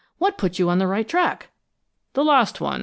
What put you on the right track?" "The last one.